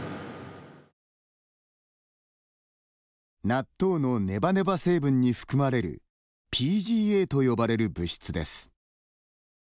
納豆のネバネバ成分に含まれるＰＧＡと呼ばれる物質です。